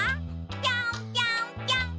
ぴょんぴょんぴょん！